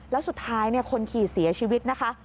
แล้วสุดท้ายคนขี่เสียชีวิตนะคะ